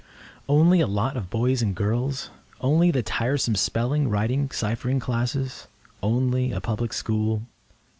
Only a lot of boys and girls? Only the tiresome spelling, writing, ciphering classes? Only a Public School?